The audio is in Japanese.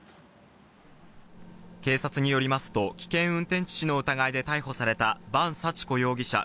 警察によりますと、危険運転致死の疑いで逮捕された伴幸子容疑者